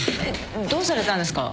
どうされたんですか？